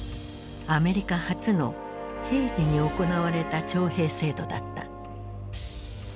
アメリカ初の平時に行われた徴兵制度だった。